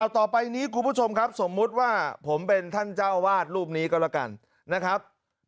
ต่อไปนี้คุณผู้ชมครับสมมุติว่าผมเป็นท่านเจ้าวาดรูปนี้ก็แล้วกันนะครับ